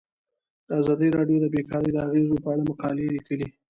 ازادي راډیو د بیکاري د اغیزو په اړه مقالو لیکلي.